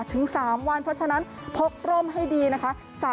ถึง๓วันเพราะฉะนั้นพกร่มให้ดีนะคะ